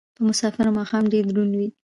په مسافرو ماښام ډېر دروند وي